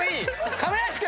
亀梨君！